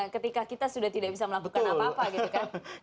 ketika kita sudah tidak bisa melakukan apa apa gitu kan